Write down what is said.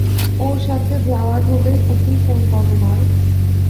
ওর সাথে যাওয়ার হলে, ওকেই ফোন করো নয়।